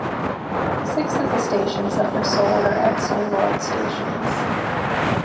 Six of the stations that were sold are ex-New World stations.